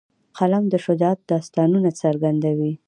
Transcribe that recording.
قلم د شجاعت داستانونه څرګندوي